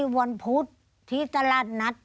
วันพุธที่ตลาดนัด